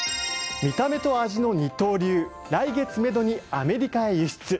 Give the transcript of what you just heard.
見た目と味の二刀流来月めどにアメリカへ輸出。